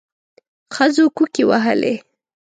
ښځو کوکي وهلې.